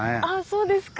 そうですか。